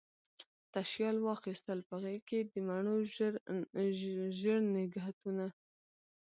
تشیال واخیستل په غیږکې، د مڼو ژړ نګهتونه